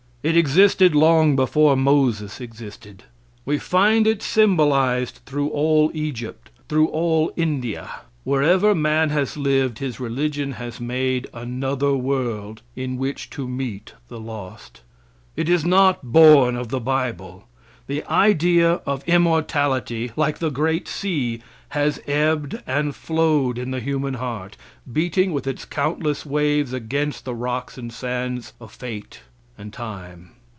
It existed long before Moses existed. We find it symbolized through all Egypt, through all India. Wherever man has lived, his religion has made another world in which to meet the lost. It is not born of the bible. The idea of immortality, like the great sea, has ebbed and flowed in the human heart, beating with its countless waves against the rocks and sands of fate and time.